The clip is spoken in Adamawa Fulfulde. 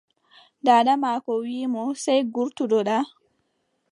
Daada maako wii mo, noy ngurtoto-ɗa?